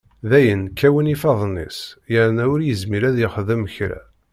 Dayen kkawen yifadden-is yerna ur yezmir ad yexdem kra.